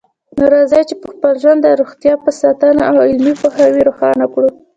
نو راځئ چې خپل ژوند د روغتیا په ساتنه او علمي پوهاوي روښانه کړو